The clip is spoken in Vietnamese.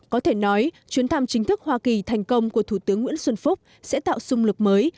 có thể nói chuyến thăm chính thức hoa kỳ thành công của thủ tướng nguyễn xuân phúc sẽ tạo sung lực mới